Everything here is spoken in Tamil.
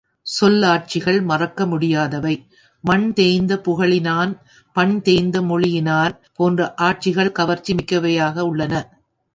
சொல்லாட்சிகள் மறக்க முடியாதவை, மண் தேய்த்த புகழினான் பண் தேய்த்த மொழியினார் போன்ற ஆட்சிகள் கவர்ச்சி மிக்கவையாக உள்ளன.